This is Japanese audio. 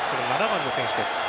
７番の選手です。